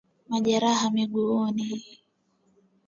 Majeraha miguuni